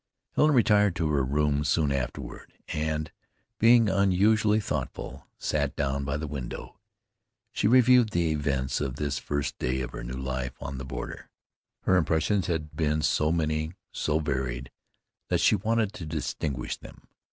Helen retired to her room soon afterward, and, being unusually thoughtful, sat down by the window. She reviewed the events of this first day of her new life on the border. Her impressions had been so many, so varied, that she wanted to distinguish them.